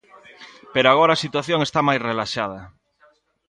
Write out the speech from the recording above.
Pero agora a situación está máis relaxada.